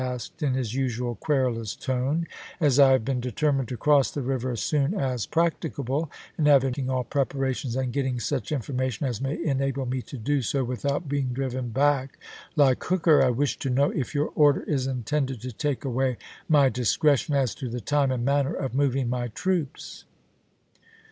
asked in his usual querulous tone, "As I have been determined to cross the river as soon as prac ticable, and have been making all preparations and getting such information as may enable me to do so without being driven back like Hooker, I wish to know if your order is intended to take away my discretion as to the time and manner of moving mj^ ^xxiil?^" troops